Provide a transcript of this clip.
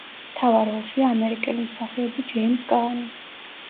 მთავარ როლშია ამერიკელი მსახიობი ჯეიმზ კაანი.